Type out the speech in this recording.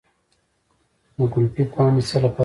د ګلپي پاڼې د څه لپاره وکاروم؟